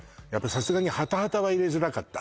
さすがにハタハタは入れづらかった？